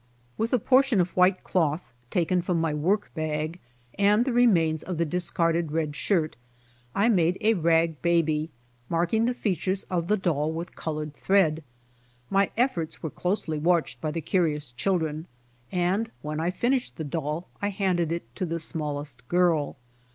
With a portion of white cloth taken from my work bag, and the remains of the discarded red shirt, I made a rag baby, marking the features of the doll with colored thread. My efforts were closely watched by the curious children, and when I finished the doll I handed it to the smallest girl.